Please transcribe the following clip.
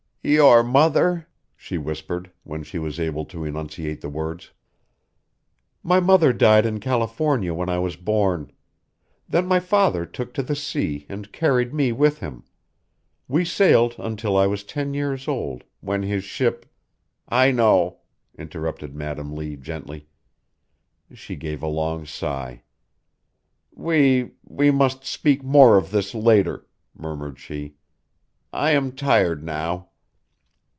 "Your mother?" she whispered, when she was able to enunciate the words. "My mother died in California when I was born. Then my father took to the sea and carried me with him. We sailed until I was ten years old, when his ship " "I know," interrupted Madam Lee gently. She gave a long sigh. "We we must speak more of this later," murmured she. "I am tired now."